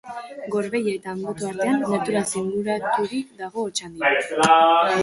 Gorbeia eta Anboto artean, naturaz inguraturik dago Otxandio.